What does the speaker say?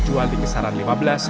hal ini tercermin dari harga